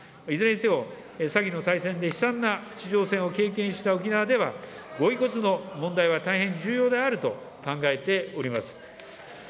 いずれにせよ、先の大戦で悲惨な地上戦を経験した沖縄では、ご遺骨の問題は大変重要であると考えております。